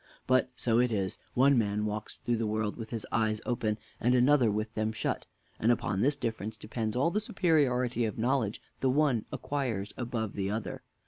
But so it is one man walks through the world with his eyes open, and another with them shut; and upon this difference depends all the superiority of knowledge the one acquires above the other.